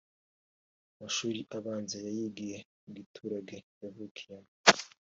Amashuri abanza yayigiye mu giturage yavukiyemo